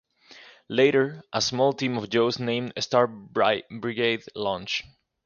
Later, a small team of Joes named Star Brigade launch.